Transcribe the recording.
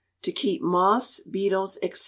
To keep Moths, Beetles, &c.